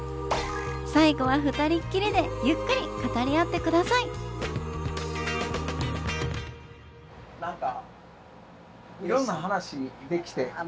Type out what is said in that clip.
最後は２人っきりでゆっくり語り合ってくださいあ